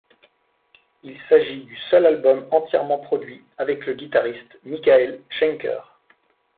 Il s'agit du seul album entièrement produit avec le guitariste Michael Schenker.